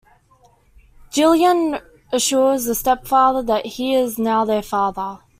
Jillian assures the stepfather that he is now their father.